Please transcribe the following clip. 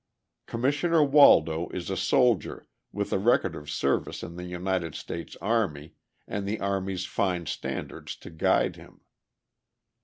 Commissioner Waldo is a soldier, with a record of service in the United States Army, and the Army's fine standards to guide him.